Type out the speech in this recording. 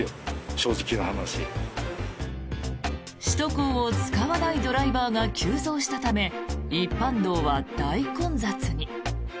首都高を使わないドライバーが急増したため一般道は大混雑に。